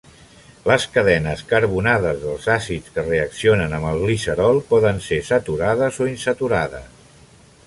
Les cadenes carbonades dels àcids que reaccionen amb el glicerol, poden ser saturades o insaturades.